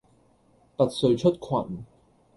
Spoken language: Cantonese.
拔萃出群